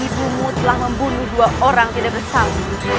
ibumu telah membunuh dua orang tidak bersau